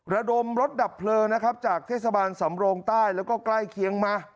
ระดมรถดับเพลิงนะครับจากเทศบาลสำโรงใต้แล้วก็ใกล้เคียงมา